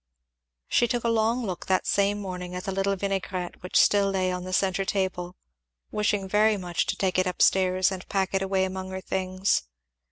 She took a long look that same morning at the little vinaigrette which still lay on the centre table, wishing very much to take it up stairs and pack it away among her things.